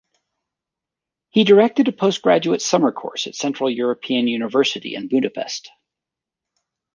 He directed a postgraduate summer course at Central European University in Budapest.